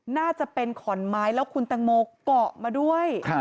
น่าจะเป็นขอนไม้แล้วคุณตังโมเกาะมาด้วย